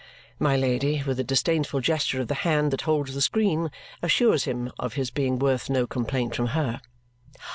My Lady, with a disdainful gesture of the hand that holds the screen, assures him of his being worth no complaint from her.